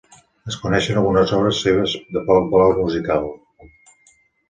Es coneixen algunes obres seves de poc valor musical.